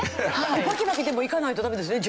バキバキでもいかないとダメですよね